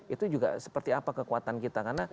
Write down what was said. itu juga seperti apa kekuatan kita